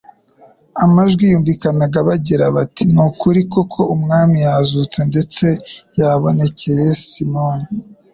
Amajwi yumvikanaga bagira, bati : "Ni ukuri koko Umwami yazutse, ndetse yabonekcye Simoni."